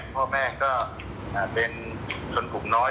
พ่อแม่ก็เป็นชนกลุ่มน้อย